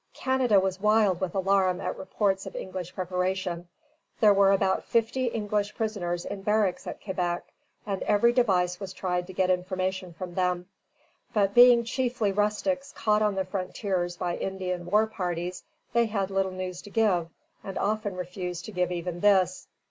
Canada was wild with alarm at reports of English preparation. There were about fifty English prisoners in barracks at Quebec, and every device was tried to get information from them; but being chiefly rustics caught on the frontiers by Indian war parties, they had little news to give, and often refused to give even this.